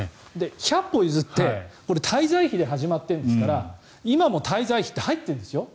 百歩譲って滞在費で始まっているんですから今も滞在費って入ってるんですよ。